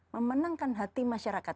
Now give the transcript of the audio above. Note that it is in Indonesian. memenangkan hati masyarakat